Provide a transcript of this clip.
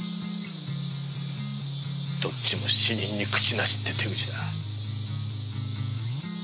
どっちも死人に口なしって手口だ。